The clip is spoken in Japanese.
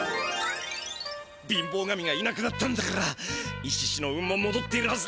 貧乏神がいなくなったんだからイシシの運ももどっているはずだ！